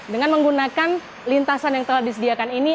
dengan menggunakan lintasan yang telah disediakan ini